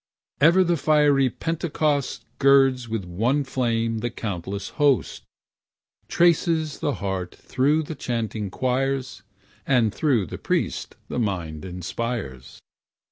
Ever the fiery Pentecost Girds with one flame the countless host, Trances the heart through chanting choirs, And through the priest the mind inspires.